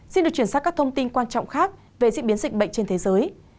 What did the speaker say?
xin được chuyển sang các thông tin quan trọng khác về diễn biến dịch bệnh trên thế giới